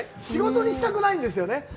仕事にしたくないんですよね。